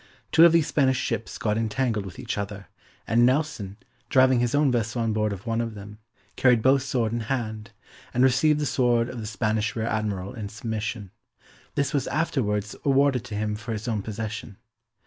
Two of these Spanish ships got entangled with each other, and Nelson, driving his own vessel on board of one of them, carried both sword in hand, and received the sword of the Spanish Rear Admiral in submission; this was afterwards awarded to him for his own possession.